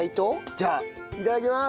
じゃあいただきます！